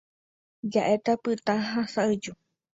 Jehe'a pytã ha sa'yju.